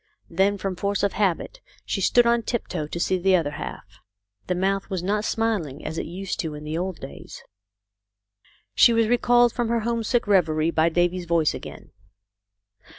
Then from force of habit she stood on tiptoe to see the other half. The mouth was not smiling as it used to in the old days. She was recalled from her homesick reverie by Davy's voice again.